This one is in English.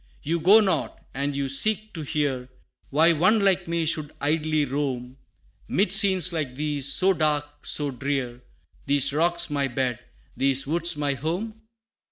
You go not, and you seek to hear, Why one like me should idly roam, 'Mid scenes like these, so dark, so drear These rocks my bed, these woods my home?